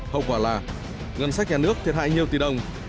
hậu quả là ngân sách nhà nước thiệt hại nhiều tỷ đồng